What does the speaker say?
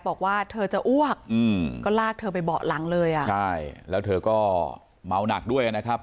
บอกว่าเธอจะอ้วกอืมก็ลากเธอไปเบาะหลังเลยอ่ะใช่แล้วเธอก็เมาหนักด้วยนะครับ